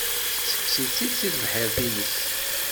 Tettekkes-itt-id si tebḥirt-ines.